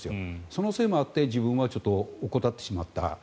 そのせいもあって自分はちょっと怠ってしまった。